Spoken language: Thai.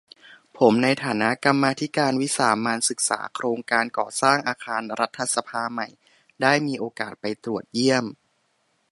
ผมในฐานะกรรมาธิการวิสามัญศึกษาโครงการก่อสร้างอาคารรัฐสภาใหม่ ได้มีโอกาสไปตรวจเยี่ยม